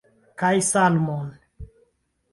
Kaj salmon!